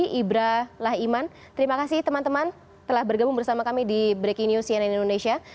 terima kasih ibra lahiman terima kasih teman teman telah bergabung bersama kami di breaking news cnn indonesia